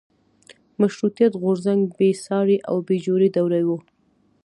مشروطیت غورځنګ بېسارې او بې جوړې دوره وه.